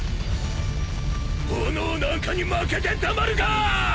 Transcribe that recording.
炎なんかに負けてたまるかー！